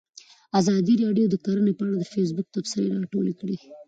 ازادي راډیو د کرهنه په اړه د فیسبوک تبصرې راټولې کړي.